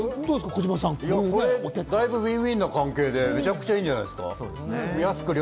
だいぶｗｉｎ‐ｗｉｎな関係でめちゃくちゃ、いいんじゃないですか。